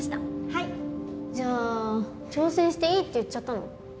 はいじゃあ挑戦していいって言っちゃったの？